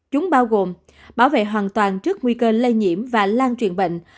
chúng bao gồm bảo vệ hoàn toàn trước nguy cơ lây nhiễm và lan truyền bệnh